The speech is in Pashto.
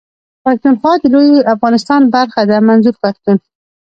پښتونخوا د لوی افغانستان برخه ده منظور پښتون.